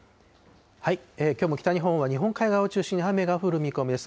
きょうも北日本は日本海側を中心に雨が降る見込みです。